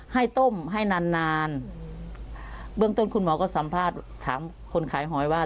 ให้ต้มให้นานนานเบื้องต้นคุณหมอก็สัมภาษณ์ถามคนขายหอยว่า